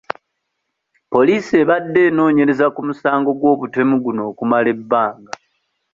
Poliisi ebadde enoonyereza ku musango gw'obutemu guno okumala ebbanga.